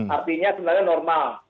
artinya sebenarnya normal